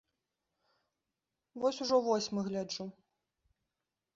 Вось ужо восьмы гляджу.